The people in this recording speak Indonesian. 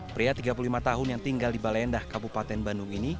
pria tiga puluh lima tahun yang tinggal di baleendah kabupaten bandung ini